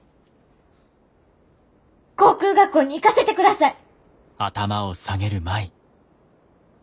航空学校に行かせてください。